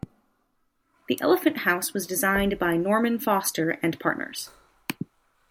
The elephant house was designed by Norman Foster and Partners.